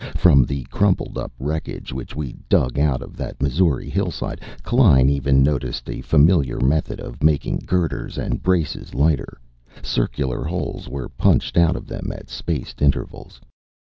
From the crumpled up wreckage which we dug out of that Missouri hillside, Klein even noticed a familiar method of making girders and braces lighter. Circular holes were punched out of them at spaced intervals.